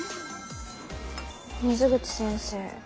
水口先生